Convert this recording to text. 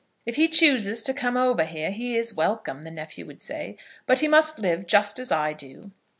"If he chooses to come over here he is welcome," the nephew would say; "but he must live just as I do."